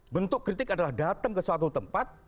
bentuk kritik adalah datang ke suatu tempat